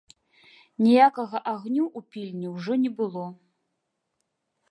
Ніякага агню ў пільні ўжо не было.